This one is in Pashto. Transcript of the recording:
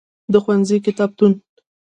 د ښوونځی کتابتون.